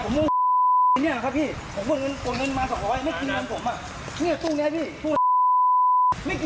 มันน่าเกลียดไป